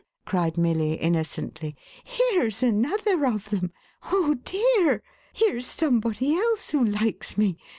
11 cried Milly innocently, "here's another of them ! Oh dear, here's somebody else who likes me.